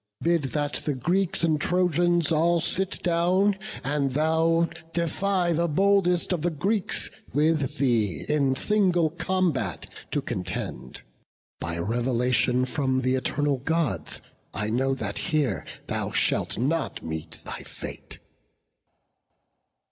Bid that the Greeks and Trojans all sit down, And thou defy the boldest of the Greeks With thee in single combat to contend; By revelation from th' eternal Gods, I know that here thou shalt not meet thy fate."